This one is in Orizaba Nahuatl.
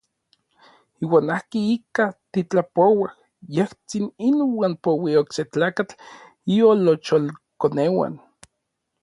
Iuan akin ika titlapouaj, yejtsin inuan poui okse tlakatl iolocholkoneuan.